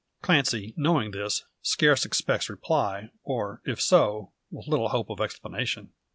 Clancy, knowing this, scarce expects reply; or, if so, with little hope of explanation.